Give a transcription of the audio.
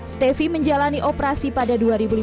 stefi menjalani operasi pada dua ribu lima belas